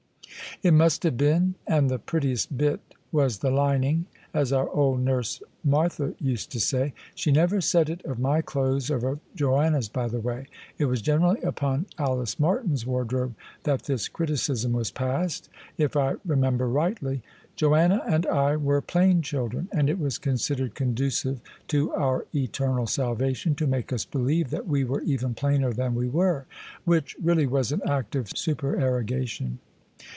" It must have been: and the prettiest bit was the lining, as our old nurse Martha used to say. She never said it of my clothes or of Joanna's, by the way: it was generally upon Alice Martin's wardrobe that this criticism was passed, if I remember rightly. Joanna and I were plain children: and it was considered conducive to our eternal salvation to make us believe that we were even plainer than we were. Which really was an act of supererogation."